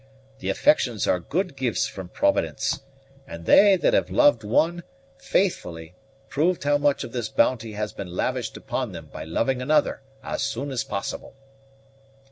The affections are good gifts from Providence, and they that have loved one faithfully prove how much of this bounty has been lavished upon them by loving another as soon as possible."